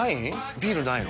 ビールないの？